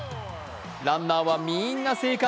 ランナーはみーんな生還。